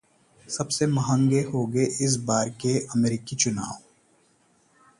सबसे महंगे होंगे इस बार के अमेरिकी चुनाव